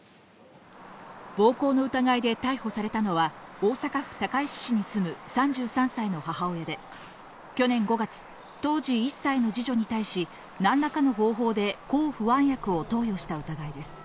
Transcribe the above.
暴行の疑いで逮捕されたのは大阪府高石市に住む３３歳の母親で、去年５月、当時１歳の二女に対し何らかの方法で抗不安薬を投与した疑いです。